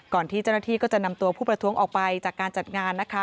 ที่เจ้าหน้าที่ก็จะนำตัวผู้ประท้วงออกไปจากการจัดงานนะคะ